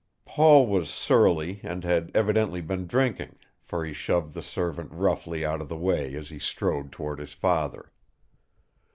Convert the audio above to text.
Paul was surly and had evidently been drinking, for he shoved the servant roughly out of the way as he strode toward his father.